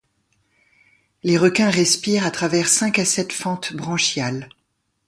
Les requins respirent à travers cinq à sept fentes branchiales.